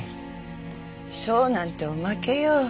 賞なんておまけよ。